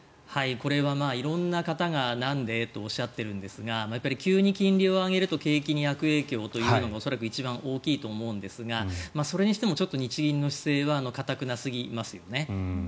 これは色んな方がなんで？とおっしゃっているんですがやっぱり急に金利を上げると景気に悪影響というのが恐らく、一番大きいと思うんですがそれにしてもちょっと日銀の姿勢は頑なすぎますよね。